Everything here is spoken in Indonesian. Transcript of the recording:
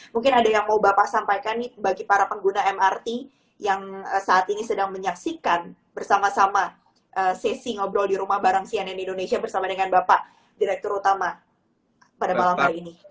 mungkin ada yang mau bapak sampaikan nih bagi para pengguna mrt yang saat ini sedang menyaksikan bersama sama sesi ngobrol di rumah bareng cnn indonesia bersama dengan bapak direktur utama pada malam hari ini